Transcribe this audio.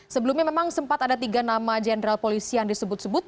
sebelumnya memang sempat ada tiga nama jenderal polisi yang disebut sebut